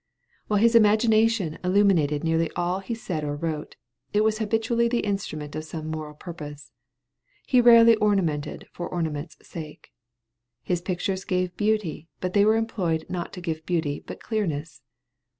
While his imagination illuminated nearly all he said or wrote, it was habitually the instrument of some moral purpose; he rarely ornamented for ornament's sake. His pictures gave beauty, but they were employed not to give beauty but clearness.